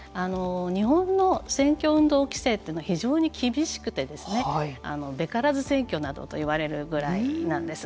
日本の選挙運動規制というのは非常に厳しくてべからず選挙などと言われるぐらいなんです。